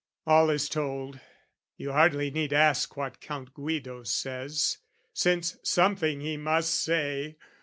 All is told. You hardly need ask what Count Guido says, Since something he must say.